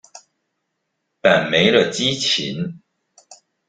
但沒了激情